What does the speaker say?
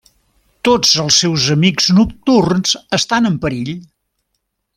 Tots els seus amics nocturns estan en perill.